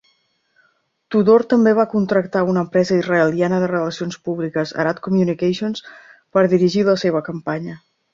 Tudor també va contractar una empresa israeliana de relacions públiques, Arad Communications, per dirigir la seva campanya.